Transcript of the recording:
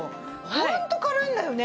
ホント軽いんだよね。